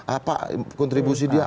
apa kontribusi dia